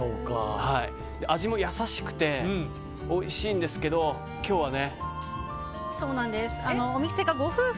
味も優しくておいしいんですけど今日はね。